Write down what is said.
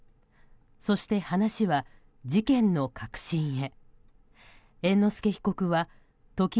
そして話は事件の核心へ。